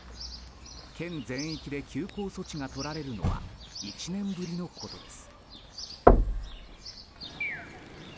県全域で休校措置がとられるのは１年ぶりのことです。